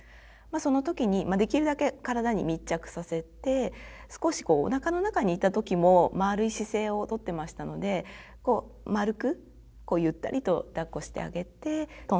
その時にできるだけ体に密着させて少しおなかの中にいた時も丸い姿勢をとってましたのでと安心しますね。